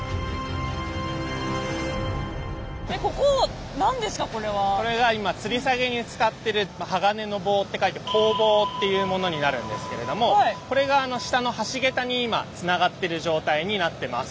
ここ何ですかこれは？これが今つり下げに使ってる鋼の棒って書いて「鋼棒」っていうものになるんですけれどもこれが下の橋桁に今つながってる状態になってます。